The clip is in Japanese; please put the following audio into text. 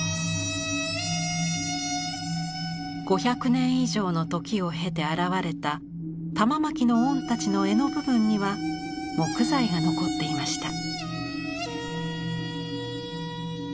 ５００年以上の時を経て現れた玉纏御太刀の柄の部分には木材が残っていました。